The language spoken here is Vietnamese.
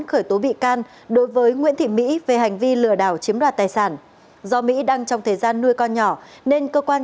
khởi tố bị can đối với nguyễn thị mỹ về hành vi lừa đảo chiếm đoạt tài sản do mỹ đang trong thời gian nuôi con nhỏ nên cơ quan